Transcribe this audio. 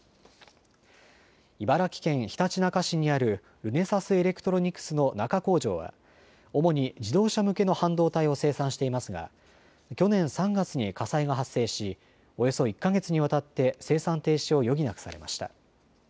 茨城県ひたちなか市にあるルネサスエレクトロニクスの那珂工場は、主に自動車向けの半導体を生産していますが去年３月に火災が発生し、およそ１か月にわたって生産停止を余儀なくされました。